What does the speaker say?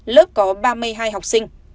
lớp có ba mươi hai học sinh